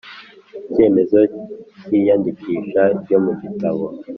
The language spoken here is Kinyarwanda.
Icyemezo cy iyandikisha ryo mu gitabo